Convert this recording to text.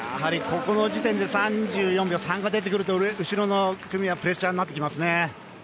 ここの時点で３４秒３が出てくると後ろの組はプレッシャーになってきますね。